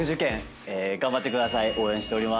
応援しております。